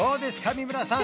三村さん